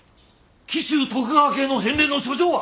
紀州徳川家への返礼の書状は。